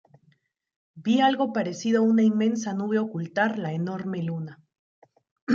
Vi algo parecido a una inmensa nube ocultar la enorme luna.